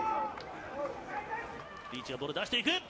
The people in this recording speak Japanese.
リーチからボールを出していく。